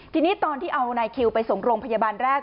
ทีนี้ตอนที่เอานายคิวไปส่งโรงพยาบาลแรก